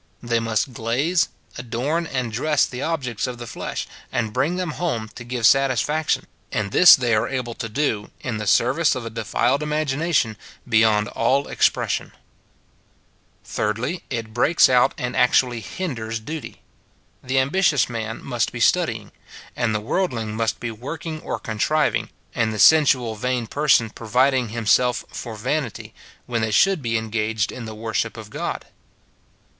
They must glaze, adorn, and dress the objects of the flesh, and bring them home to give satisfaction ; and this they are able to do, in the service of a defiled imagination, beyond all expression. MJy. It breaks out and actually hinders duty. The ambitious man must be studying, and the worldling must be working or contriving, and the sensual, vain person providing himself for vanity, when they should be en gaged in the worship of God.